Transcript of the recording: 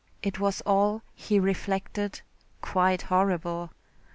It was all, he reflected, quite horrible.